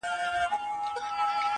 جهاني زما په قسمت نه وو دا ساعت لیکلی٫